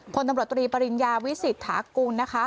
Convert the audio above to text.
พลตำรวจตรีปริญญาวิสิทธากุลนะคะ